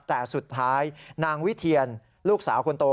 แต่สุดท้ายนางวิเทียนลูกสาวคนโต